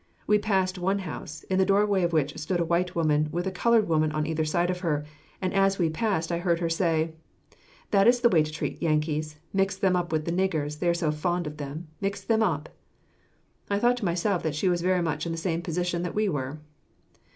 We passed one house, in the doorway of which stood a white woman, with a colored woman on either side of her, and as we passed I heard her say, "That is the way to treat the Yankees; mix them up with the niggers, they are so fond of them, mix them up." I thought to myself that she was very much in the same position that we were.